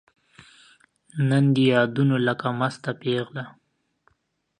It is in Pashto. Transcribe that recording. نن دي یادونو لکه مسته پیغله